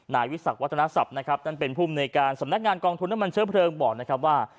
นายวิสักวัฒนศัพท์นะครับนั่นเป็นภูมิในการสำนักงานกองทุนน้ำมันเชื้อเพลิงบอกนะครับว่า